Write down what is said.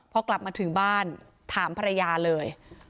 พอกลับมาถึงบ้านถามภรรยาเลย